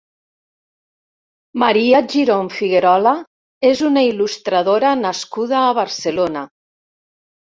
Maria Girón Figuerola és una il·lustradora nascuda a Barcelona.